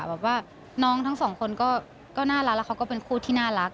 แบบว่าน้องทั้งสองคนก็น่ารักแล้วเขาก็เป็นคู่ที่น่ารัก